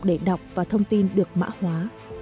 để đọc và thông tin được mã hóa